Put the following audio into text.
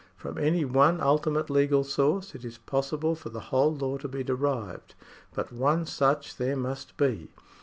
From any one ultimate legal source it is possible for the whole law to be derived, but one such there must be.